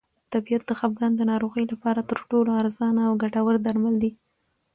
طبیعت د خپګان د ناروغۍ لپاره تر ټولو ارزانه او ګټور درمل دی.